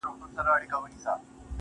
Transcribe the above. که زر کلونه ژوند هم ولرمه.